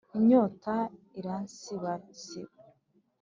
Inyota iransibasiba.